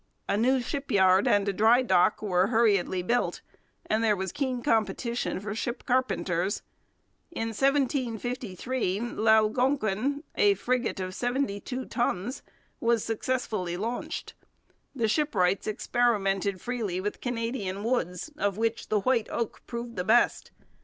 A new shipyard and a dry dock were hurriedly built; and there was keen competition for ship carpenters. In 1753 L'Algonkin, a frigate of seventy two guns, was successfully launched. The shipwrights experimented freely with Canadian woods, of which the white oak proved the best.